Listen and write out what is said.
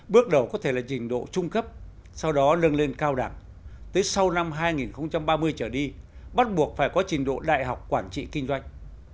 bước đầu có thể là trình độ trung cấp sau đó lưng lên cao đẳng tới sau năm hai nghìn ba mươi trở đi bắt buộc phải có trình độ đại học quản trị kinh doanh